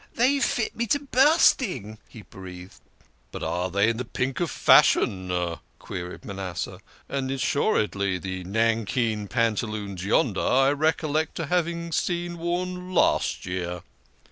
"They fit me to burst ing !" he breathed. " But are they in the pink of fashion? " queried Manasseh. " And assuredly the nankeen pantaloons yonder I recollect to have seen worn last year."